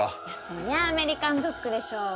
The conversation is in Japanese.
そりゃあアメリカンドッグでしょう